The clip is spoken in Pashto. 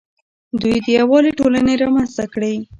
دوی د یووالي ټولنې رامنځته کړې